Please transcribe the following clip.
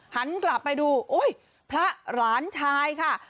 หันกลับไปดูอุ้ยพระหลานชายค่ะ